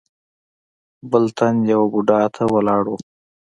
بل تن يوه بوډا ته ولاړ و.